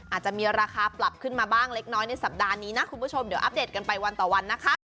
อาจจะมีราคาปรับขึ้นมาบ้างเล็กน้อยในสัปดาห์นี้นะคุณผู้ชมเดี๋ยวอัปเดตกันไปวันต่อวันนะคะ